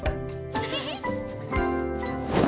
フフフ！